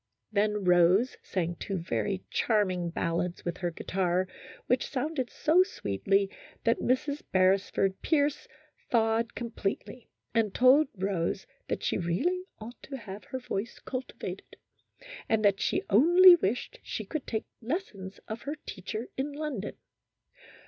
Then Rose sang two very charming ballads with her guitar, which sounded so sweetly that Mrs. Beresford Pierce thawed com pletely, and told Rose that she really ought to have her voice cultivated, and she only wished that she could take lessons of her teacher in London.